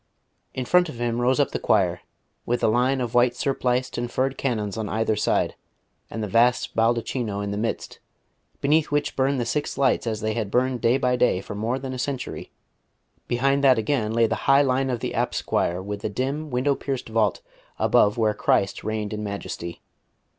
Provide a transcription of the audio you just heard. In front of him rose up the choir, with a line of white surpliced and furred canons on either side, and the vast baldachino in the midst, beneath which burned the six lights as they had burned day by day for more than a century; behind that again lay the high line of the apse choir with the dim, window pierced vault above where Christ reigned in majesty.